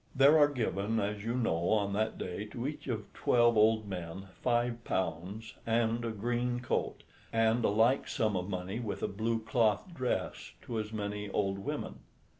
There are given, as you know, on that day to each of twelve old men £5 and a green coat, and a like sum of money with a blue cloth dress to as many old women.